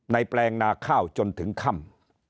แปลงนาข้าวจนถึงค่ำ